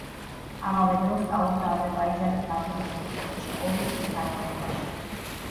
ამავე დროს სწავლობდა აზერბაიჯანის ნავთობის ინსტიტუტში ორი წლის განმავლობაში.